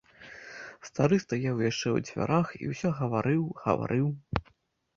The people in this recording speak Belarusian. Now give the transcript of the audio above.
Стары стаяў яшчэ ў дзвярах і ўсё гаварыў, гаварыў.